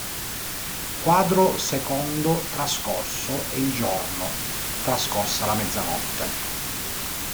Quadro secondo Trascorso è il giorno, trascorsa la mezzanotte.